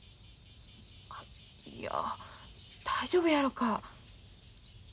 いや大丈夫やろか。